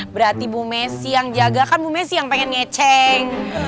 berarti bu mesit yang jaga kan bu mesit yang pengen ngeceng